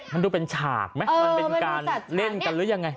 มันดูเป็นฉากไหมมันเป็นการเล่นกันหรือยังไง